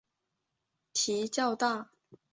蹄较大。